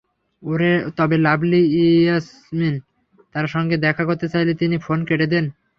তবে লাভলী ইয়াসমীন তাঁর সঙ্গে দেখা করতে চাইলে তিনি ফোন কেটে দেন।